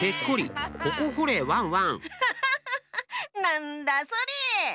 なんだそれ！